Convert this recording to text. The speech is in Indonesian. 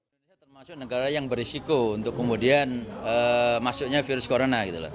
indonesia termasuk negara yang berisiko untuk kemudian masuknya virus corona